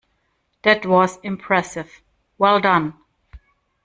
That was impressive, well done!.